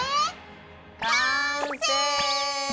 完成！